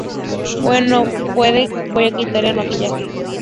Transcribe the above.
bueno, puede. voy a quitarme el maquillaje.